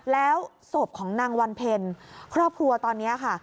แล้วศพของนางวันเพ็ญครอบครัวตอนนี้ค่ะ